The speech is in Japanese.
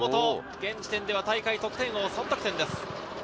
現時点では大会得点王、３得点です。